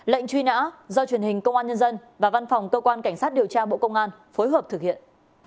lệnh truy nã do truyền hình công an nhân dân và văn phòng cơ quan cảnh sát điều tra bộ công an phối hợp thực hiện